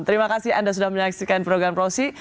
terima kasih anda sudah menyaksikan program prosi